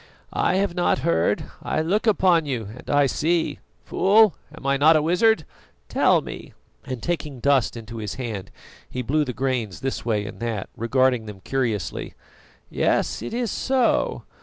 "I have not heard, I look upon you and I see. Fool, am I not a wizard? Tell me " and taking dust into his hand, he blew the grains this way and that, regarding them curiously. "Yes, it is so.